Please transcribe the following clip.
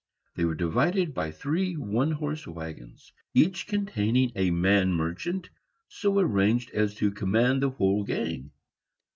They were divided by three one horse wagons, each containing a man merchant, so arranged as to command the whole gang.